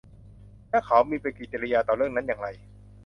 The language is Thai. แล้วเขามีปฏิกิริยาต่อเรื่องนั้นอย่างไร